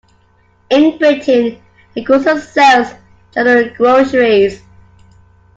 In Britain, a grocer sells general groceries